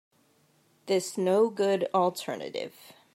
This no good alternative.